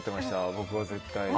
僕は絶対。